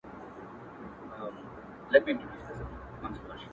• څه کيف دی ـ څه درنه نسه ده او څه ستا ياد دی ـ